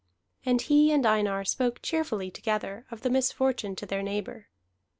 And he and Einar spoke cheerfully together of the misfortune to their neighbor.